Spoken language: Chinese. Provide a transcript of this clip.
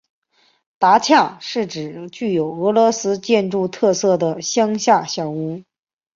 达恰是指具有俄罗斯建筑特色的乡间小屋。